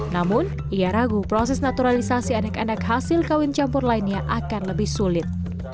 namun ia ragu proses naturalisasi anak anak hasil kawin campur lainnya akan lebih sulit